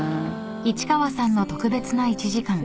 ［市川さんの特別な１時間］